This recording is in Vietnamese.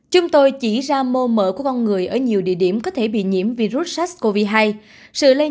chúng tôi chỉ ra mô mỡ của con người ở nhiều địa điểm có thể bị nhiễm virus sars cov hai sự lây